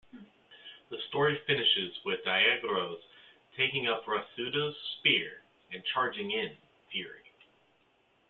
The story finishes with Daigorō taking up Retsudō's spear and charging in fury.